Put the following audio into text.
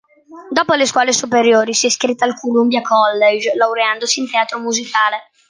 Dopo le scuole superiori si è iscritta al "Columbia College", laureandosi in teatro musicale.